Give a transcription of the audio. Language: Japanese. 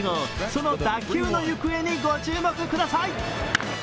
その打球の行方に御注目ください。